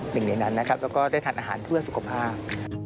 หนึ่งในนั้นนะครับแล้วก็ได้ทานอาหารเพื่อสุขภาพ